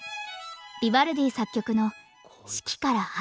ヴィヴァルディ作曲の「四季」から「春」